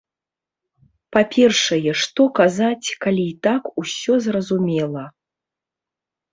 Па-першае, што казаць, калі і так усё зразумела?